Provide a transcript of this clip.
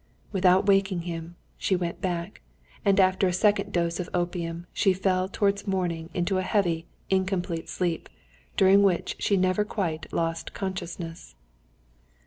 Without waking him, she went back, and after a second dose of opium she fell towards morning into a heavy, incomplete sleep, during which she never quite lost consciousness.